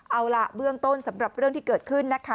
เอาล่ะเบื้องต้นสำหรับเรื่องที่เกิดขึ้นนะคะ